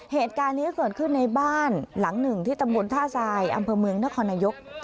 เหตุการณ์นี้เกิดขึ้นในบ้านหลังหนึ่งที่ตำบลท่าทรายอำเภอเมืองนครนายก